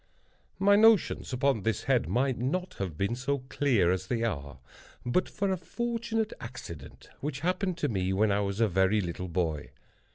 My notions upon this head might not have been so clear as they are, but for a fortunate accident which happened to me when I was a very little boy.